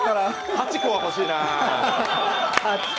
８個は欲しいな。